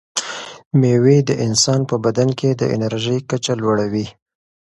مېوې د انسان په بدن کې د انرژۍ کچه لوړوي.